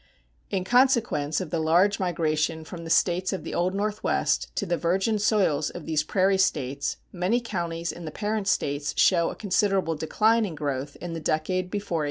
In consequence of the large migration from the States of the Old Northwest to the virgin soils of these prairie States many counties in the parent States show a considerable decline in growth in the decade before 1890.